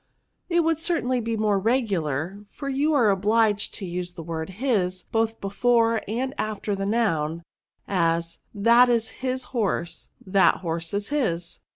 " It would certainly be more regular ; for you are obliged to use the word Awj both before and after the noun; as, that is his horse, that horse is his.'